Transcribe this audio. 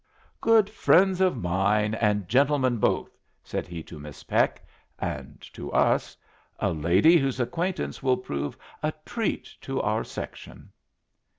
"Good friends of mine, and gentlemen, both," said he to Miss Peck; and to us, "A lady whose acquaintance will prove a treat to our section."